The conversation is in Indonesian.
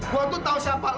gua tuh tau siapa lo dil